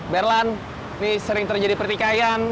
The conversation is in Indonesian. berlan ini sering terjadi pertikaian